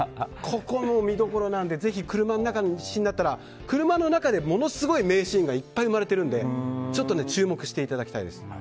ここも見どころなのでぜひ車の中のシーンになったら車の中でものすごい名シーンがいっぱい生まれているのでちょっと注目していただきたいです。